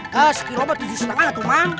satu kilo buat tujuh lima atu bang